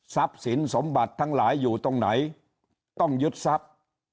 สินสมบัติทั้งหลายอยู่ตรงไหนต้องยึดทรัพย์